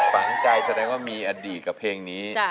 ฝังใจแสดงว่ามีอดีตกับเพลงนี้